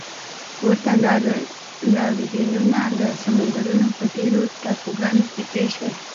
ورته ناورینونه د سمندرونو په ډېرو ټاپوګانو کې پېښ شول.